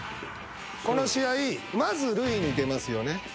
この試合まず塁に出ますよね。